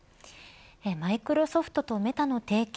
マイクロソフトとメタの提携